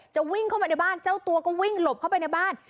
วิ่งเข้ามาในบ้านเจ้าตัวก็วิ่งหลบเข้าไปในบ้าน